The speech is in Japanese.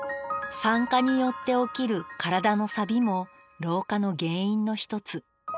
酸化によって起きる体のさびも老化の原因の一つ。